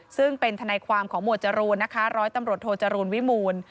ซึ่งเป็นทนายความของหมวดจรูนนะคะร้อยตำรวจโทจรูลวิมูล